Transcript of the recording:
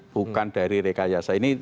bukan dari rekayasa ini